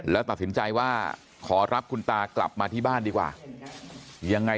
แล้วตัดสินใจว่าขอรับคุณตากลับมาที่บ้านดีกว่ายังไง